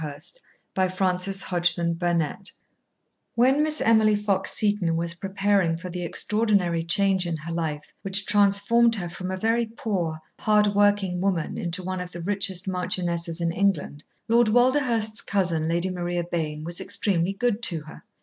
PART TWO Chapter Seven When Miss Emily Fox Seton was preparing for the extraordinary change in her life which transformed her from a very poor, hardworking woman into one of the richest marchionesses in England, Lord Walderhurst's cousin, Lady Maria Bayne, was extremely good to her.